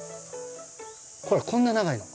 ほらこんな長いの。